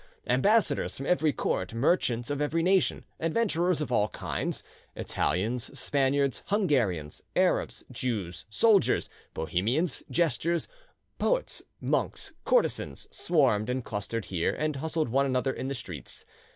Ambassadors from every court, merchants of every nation, adventurers of all kinds, Italians, Spaniards, Hungarians, Arabs, Jews, soldiers, Bohemians, jesters, poets, monks, courtesans, swarmed and clustered here, and hustled one another in the streets.